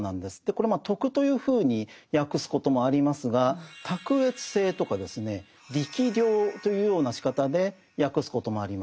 これ「徳」というふうに訳すこともありますが「卓越性」とか「力量」というようなしかたで訳すこともあります。